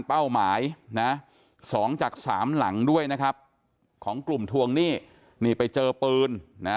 ไปถวงหนี้อยู่ไปเจอพื้น